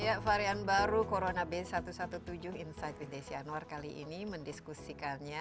ya varian baru corona b satu satu tujuh insight with desi anwar kali ini mendiskusikannya